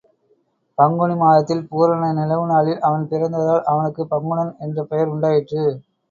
பங்குனி மாதத்தில் பூரண நிலவு நாளில் அவன் பிறந்ததால் அவனுக்குப் பங்குனன் என்ற பெயர் உண்டாயிற்று.